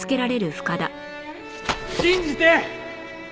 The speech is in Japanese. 信じて！